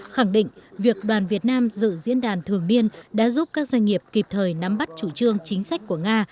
khẳng định việc đoàn việt nam dự diễn đàn thường biên đã giúp các doanh nghiệp kịp thời nắm bắt chủ trương chính sách của nga